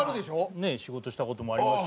ねえ仕事した事もありますし。